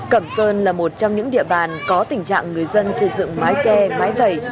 cầm sơn là một trong những địa bàn có tình trạng người dân xây dựng mái tre mái vẩy